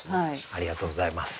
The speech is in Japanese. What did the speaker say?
ありがとうございます。